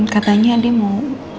katanya dia mau